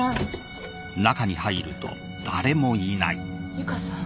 由香さん